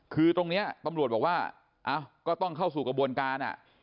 คือตรงนี้ตำรวจบอกว่าก็ต้องเข้าสู่กระบวนการ